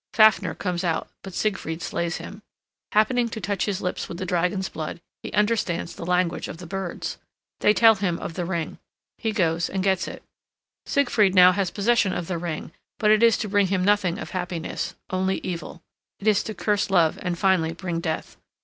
Fafner comes out, but Siegfried slays him. Happening to touch his lips with the dragon's blood, he understands the language of the birds. They tell him of the ring. He goes and gets it. Siegfried now has possession of the ring, but it is to bring him nothing of happiness, only evil. It is to curse love and finally bring death.